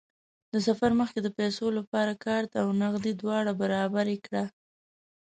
د سفر مخکې د پیسو لپاره کارت او نغدې دواړه برابرې کړه.